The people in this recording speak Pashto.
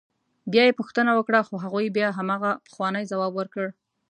بیا یې پوښتنه وکړه خو هغوی بیا همغه پخوانی ځواب ورکړ.